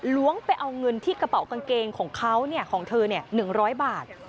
ล้วงไปเอาเงินที่กระเป๋ากางเกงของเขาของเธอ๑๐๐บาท